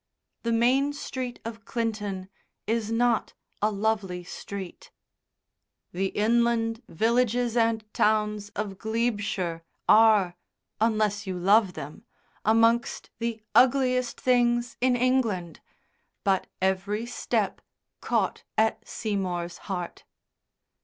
The main street of Clinton is not a lovely street; the inland villages and towns of Glebeshire are, unless you love them, amongst the ugliest things in England, but every step caught at Seymour's heart.